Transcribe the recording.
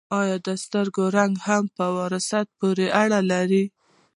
ایا د سترګو رنګ هم په وراثت پورې اړه لري